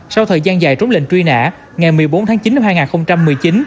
sau thời gian dài trống lệnh truy nã ngày một mươi bốn tháng chín năm hai nghìn một mươi chín